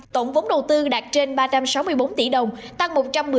tổng vốn đầu tư đạt trên ba trăm sáu mươi bốn tỷ đồng tăng một trăm một mươi sáu